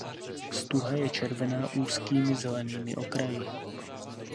Stuha je červená úzkými zelenými okraji.